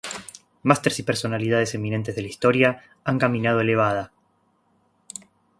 Masters y personalidades eminentes de la historia han caminado elevada.